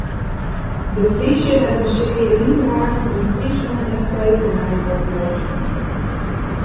De plysje hat in searje ynbraken yn Fryslân en Flevolân oplost.